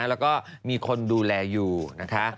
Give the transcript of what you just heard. แล้วก็มีคนดูแลอยู่นะคะ